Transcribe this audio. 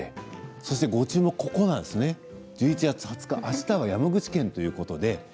そしてご注目、１１月２０日あしたは山口県ということで。